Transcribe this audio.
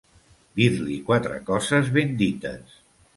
Dir-li quatre coses ben dites.